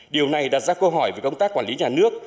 điều này đặt ra câu hỏi về công tác quản lý nhà nước